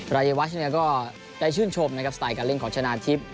รายวัยนี้ก็ได้ชื่นชบสไตล์การเล่นของชนาทิพย์